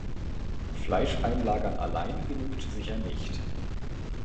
Fleisch einlagern allein genügt sicher nicht.